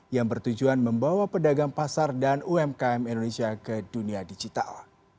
yang bertujuan membawa pedagang pasar dan umkm indonesia ke dunia digital